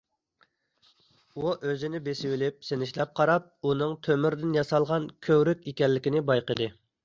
ئۇ ئۆزىنى بېسىۋېلىپ، سىنچىلاپ قاراپ، ئۇنىڭ تۆمۈردىن ياسالغان كۆۋرۈك ئىكەنلىكىنى بايقىدى.